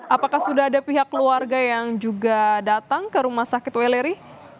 apakah sudah ada pihak keluarga yang juga datang ke rumah sakit weleri